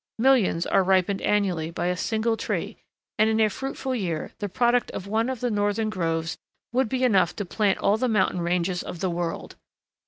Millions are ripened annually by a single tree, and in a fruitful year the product of one of the northern groves would be enough to plant all the mountain ranges of the world.